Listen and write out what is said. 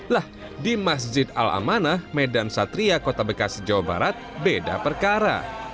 lah di masjid al amanah medan satria kota bekasi jawa barat beda perkara